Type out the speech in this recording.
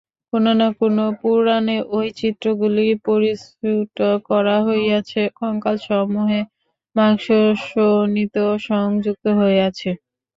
কোন না কোন পুরাণে ঐ চিত্রগুলি পরিস্ফুট করা হইয়াছে, কঙ্কালসমূহে মাংস-শোণিত সংযুক্ত হইয়াছে।